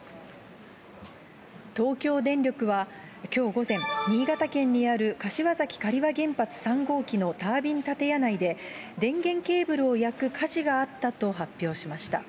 東京電力は、きょう午前、新潟県にある柏崎刈羽原発３号機のタービン建屋内で、電源ケーブルを焼く火事があったと発表しました。